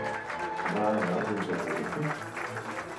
Va anar a alguns Jocs Olímpics?